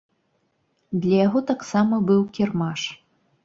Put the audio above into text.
Для яго таксама быў кірмаш.